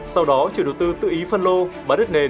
sau đó chủ đầu tư tự ý phân lô bán đứt nề